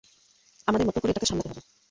আমাদের মতো করে এটা সামলাতে হবে।